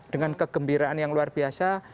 dengan kegembiraan yang luar biasa